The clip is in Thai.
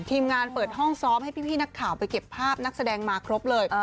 ทีมงานเปิดห้องซ้อมให้พี่นักข่าวไปเก็บภาพนักแสดงมาครบเลย